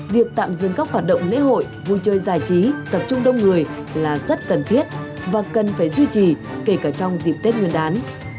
việc tạm dừng các hoạt động lễ hội vui chơi giải trí tập trung đông người là rất cần thiết và cần phải duy trì kể cả trong dịp tết nguyên đán